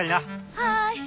はい！